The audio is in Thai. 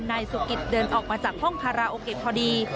นายสุกิตเดินออกมาจากห้องคาราโอเกะพอดี